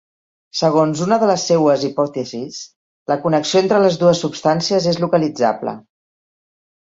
Segons una de les seues hipòtesis, la connexió entre les dues substàncies és localitzable.